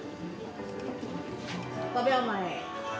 ５秒前。